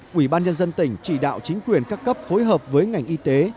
quỹ ban nhân dân tỉnh chỉ đạo chính quyền các cấp phối hợp với ngành y tế